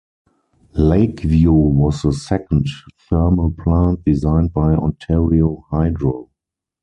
Lakeview was the second thermal plant designed by Ontario Hydro.